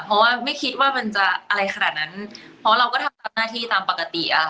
เพราะว่าไม่คิดว่ามันจะอะไรขนาดนั้นเพราะเราก็ทำหน้าที่ตามปกติอ่ะ